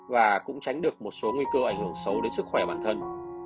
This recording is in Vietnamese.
và cũng tránh được một số nguy cơ ảnh hưởng xấu đến sức khỏe bản thân